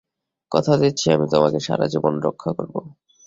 কথা দিচ্ছি আমি তোমাকে সারা জীবন রক্ষা করব।